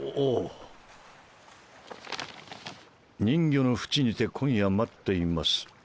「人魚の淵にて今夜待っています。